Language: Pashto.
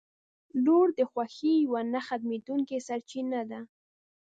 • لور د خوښۍ یوه نه ختمېدونکې سرچینه ده.